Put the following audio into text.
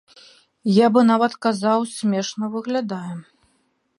Я бы нават казаў, смешна выглядае.